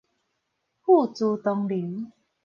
付諸東流